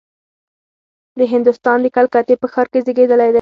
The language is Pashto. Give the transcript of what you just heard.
د هندوستان د کلکتې په ښار کې زېږېدلی دی.